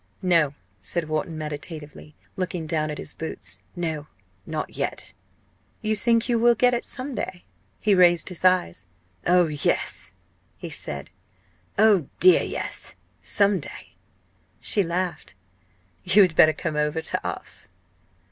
"No," said Wharton, meditatively, looking down at his boots. "No not yet." "You think you will get it some day?" He raised his eyes. "Oh yes!" he said; "oh dear, yes! some day." She laughed. "You had better come over to us."